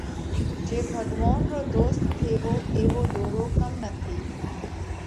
جي ڀڳوونَ رو ڌوست ٿيوو ايوو ۮورو ڪوم نٿِي۔